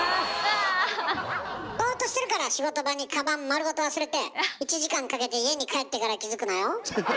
ボーっとしてるから仕事場にカバン丸ごと忘れて１時間かけて家に帰ってから気付くのよ？